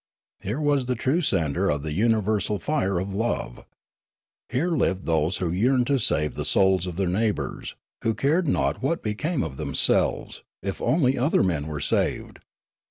Here was the true centre of the universal fire of love. Here lived those who yearned to save the souls of their neighbours, who cared not what became of themselves, if only other men were saved.